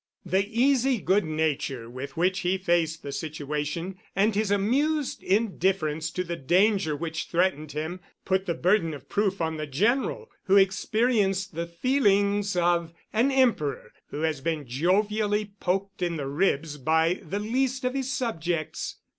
The easy good nature with which he faced the situation and his amused indifference to the danger which threatened him put the burden of proof on the General, who experienced the feelings of an emperor who has been jovially poked in the ribs by the least of his subjects.